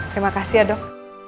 terima kasih ya dok